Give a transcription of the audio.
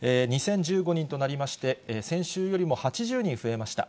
２０１５人となりまして、先週よりも８０人増えました。